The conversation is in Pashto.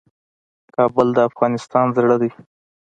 کابل د افغانستان زړه دی